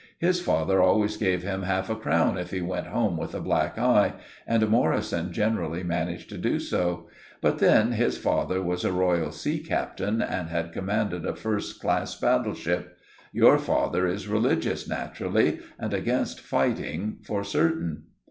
His father always gave him half a crown if he went home with a black eye, and Morrison generally managed to do so; but then his father was a royal sea captain, and had commanded a first class battleship. Your father is religious, naturally, and against fighting for certain."